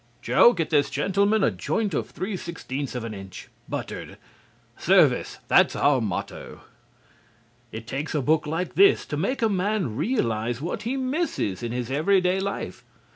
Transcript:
Joe, get this gentleman a joint of three sixteenths of an inch, buttered. Service, that's our motto! It takes a book like this to make a man realize what he misses in his everyday life.